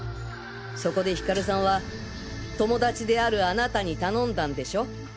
そこでヒカルさんは友達であるあなたに頼んだんでしょ？